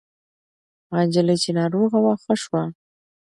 هغه نجلۍ چې ناروغه وه ښه شوه.